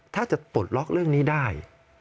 ถ้าจะปลดล็อกเรื่องนี้ได้